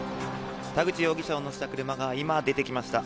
田口容疑者を乗せた車が今出てきました。